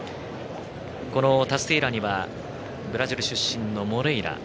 このタスティエーラにはブラジル出身のモレイラ。